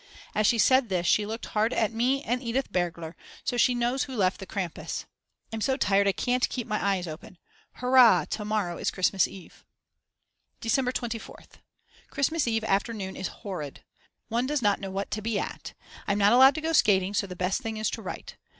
As she said this she looked hard at me and Edith Bergler, so she knows who left the Krampus. I'm so tired I can't keep my eyes open. Hurrah, to morrow is Christmas Eve!!! December 24th. Christmas Eve afternoon is horrid. One does not know what to be at. I'm not allowed to go skating so the best thing is to write.